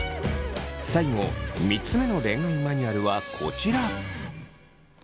最後３つ目の恋愛マニュアルはこちら。